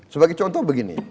sebagai contoh begini